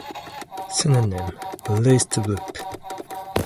"Synonym": released loop.